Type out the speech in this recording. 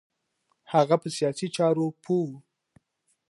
هغه په سیاسی چارو پوه و